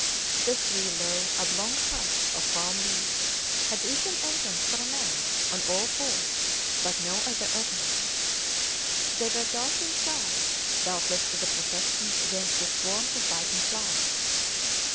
The three low, oblong huts, of palm leaves, had each an entrance for a man on all fours, but no other opening. They were dark inside, doubtless as a protection against the swarms of biting flies.